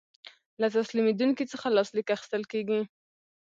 له تسلیمیدونکي څخه لاسلیک اخیستل کیږي.